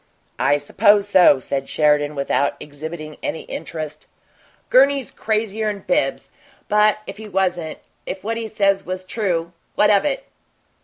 "I suppose so," said Sheridan, without exhibiting any interest. "Gurney's crazier'n Bibbs, but if he wasn't if what he says was true what of it?"